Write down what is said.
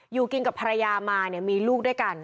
อยู่กินกับภรรยามาเนี่ยมีลูกด้วยกัน